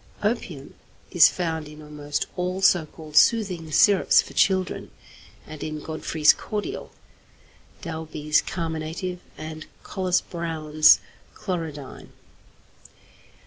Opium is found in almost all so called 'soothing syrups' for children, and in Godfrey's cordial, Dalby's carminative, and Collis Browne's chlorodyne.